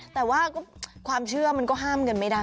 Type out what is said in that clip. แต่ว่าความเชื่อมันก็ห้ามกันไม่ได้